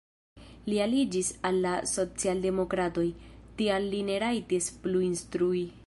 Li aliĝis al la socialdemokratoj, tial li ne rajtis plu instrui.